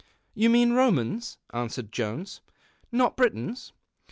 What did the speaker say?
" You mean Romans," answered Jones, " not Britons."